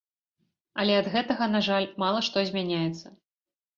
Але ад гэтага, на жаль, мала што змяняецца.